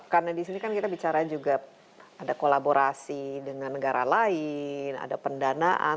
karena di sini kan kita bicara juga ada kolaborasi dengan negara lain ada pendanaan